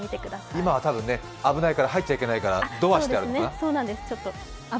今は多分ね、危ないから入っちゃいけないからドアしてある。